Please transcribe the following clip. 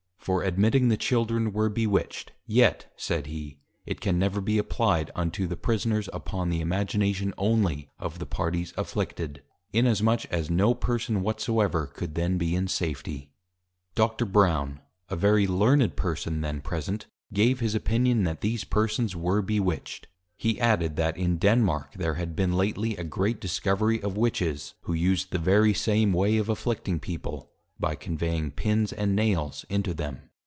For admitting the Children were Bewitched, yet, said he, it can never be Apply'd unto the Prisoners, upon the Imagination only of the Parties Afflicted; inasmuch as no person whatsoever could then be in Safety. Dr. Brown, a very Learned Person then present, gave his Opinion, that these Persons were Bewitched. He added, That in Denmark, there had been lately a great Discovery of Witches; who used the very same way of Afflicting people, by Conveying Pins and Nails into them.